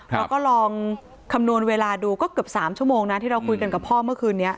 เราก็ลองคำนวณเวลาดูก็เกือบ๓ชั่วโมงนะที่เราคุยกันกับพ่อเมื่อคืนนี้